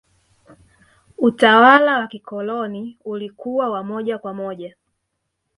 utawala wa kikoloni ulikuwa wa moja kwa moja